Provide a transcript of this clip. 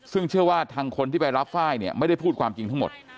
ซึ่งเชื่อว่าทางคนที่ไปรับไฟล์เนี่ยไม่ได้พูดความจริงทั้งหมด